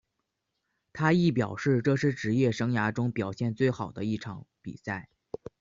他亦表示这是职业生涯中表现最好的一场比赛。